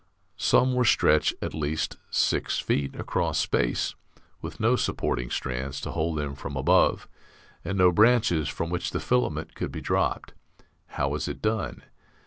Some were stretched at least six feet across space, with no supporting strands to hold them from above and no branches from which the filament could be dropped. How is it done?